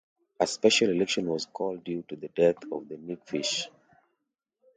A special election was called due to the death of Nick Fish.